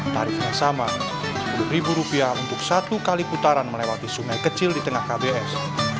tarifnya sama rp sepuluh untuk satu kali putaran melewati sungai kecil di tengah kbs